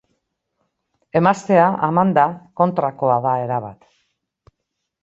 Emaztea, Amanda, kontrakoa da erabat.